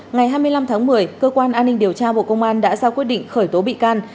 ngày hai mươi năm tháng một mươi cơ quan an ninh điều tra bộ công an đã ra quyết định khởi tố bị can